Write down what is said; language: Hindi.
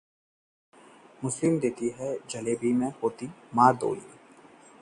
जलेबी देने में हुई थोड़ी देर तो मार दी गोली